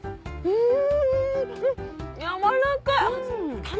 うん！